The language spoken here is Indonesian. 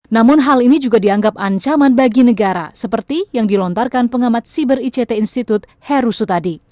namun hal ini juga dianggap ancaman bagi negara seperti yang dilontarkan pengamat siber ict institute heru sutadi